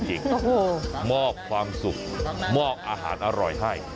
โอ้โหมอกความสุขมอกอาหารอร่อยให้